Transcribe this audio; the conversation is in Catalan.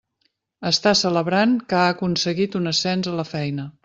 Està celebrant que ha aconseguit un ascens a la feina.